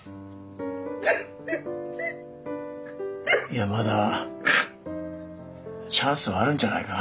いやまだチャンスはあるんじゃないか？